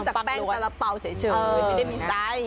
จากแป้งสาระเป๋าเฉยไม่ได้มีไส้